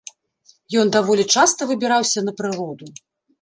Ён даволі часта выбіраўся на прыроду.